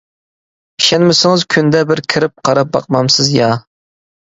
ئىشەنمىسىڭىز كۈندە بىر كىرىپ قاراپ باقامسىز يا؟ !